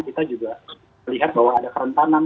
kita juga melihat bahwa ada kerentanan